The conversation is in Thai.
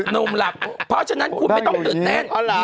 น้มหลักเพราะฉะนั้นคุณไม่ต้องตื่นนัง